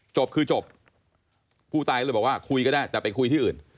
จบคือจบผู้ตายก็เลยบอกว่าคุยก็ได้แต่ไปคุยที่อื่น